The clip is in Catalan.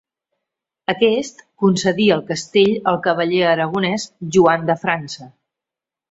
Aquest concedí el castell al cavaller aragonès Joan de França.